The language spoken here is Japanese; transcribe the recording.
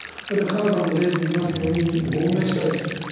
あるいはカナダの例で見ましたように亡命したりする。